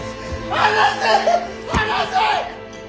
離せ！